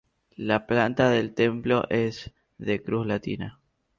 La planta del templo es de cruz latina.